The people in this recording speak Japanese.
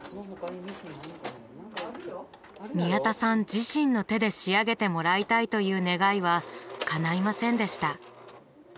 宮田さん自身の手で仕上げてもらいたいという願いはかないませんでした。